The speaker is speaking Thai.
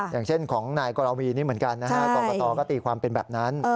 อย่างเช่นของนายกรวีนี่เหมือนกันนะฮะกรกตก็ตีความเป็นแบบนั้น